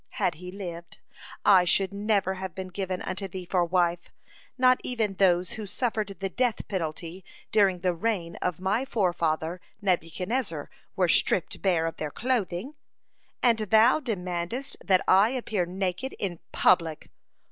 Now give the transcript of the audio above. Had he lived, I should never have been given unto thee for wife. Not even those who suffered the death penalty during the reign of my forefather Nebuchadnezzar were stripped bare of their clothing, and thou demandest that I appear naked in public!